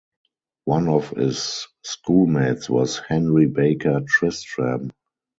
One of his schoolmates was Henry Baker Tristram.